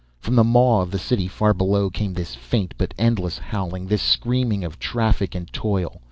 From the maw of the city far below came this faint but endless howling, this screaming of traffic and toil.